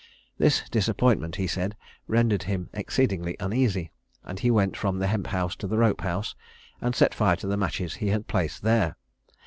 This disappointment, he said, rendered him exceedingly uneasy, and he went from the hemp house to the rope house, and set fire to the matches he had placed there.